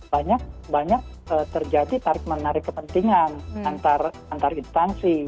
banyak banyak terjadi tarik menarik kepentingan antar instansi